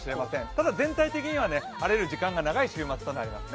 ただ全体的には晴れる時間が長い週末になります。